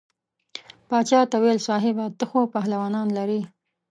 باچا ته وویل صاحبه ته خو پهلوانان لرې.